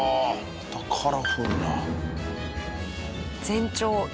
またカラフルな。